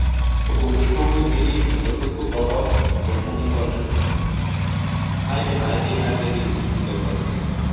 প্রভুর সঙ্গে তিনি যতটুকু পথ ভ্রমণ করেন, তাই ডায়েরি আকারে লিপিবদ্ধ করেন।